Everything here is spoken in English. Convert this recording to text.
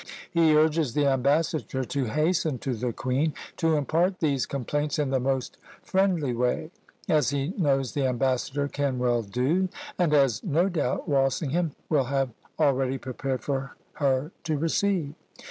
He urges the ambassador to hasten to the queen, to impart these complaints in the most friendly way, as he knows the ambassador can well do, and as, no doubt, Walsingham will have already prepared her to receive.